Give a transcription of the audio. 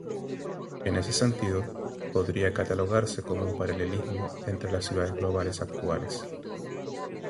En ese sentido, podría catalogarse como un paralelismo entre las ciudades globales actuales.